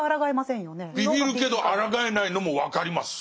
ビビるけどあらがえないのも分かります。